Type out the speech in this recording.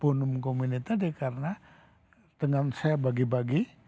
dan saya tidak pun komunitasnya karena dengan saya bagi bagi